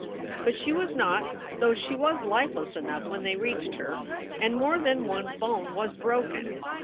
But she was not, though she was lifeless enough when they reached her, and more than one bone was broken.